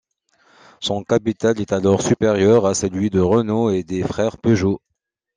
Son capital est alors supérieur à celui de Renault et des frères Peugeot.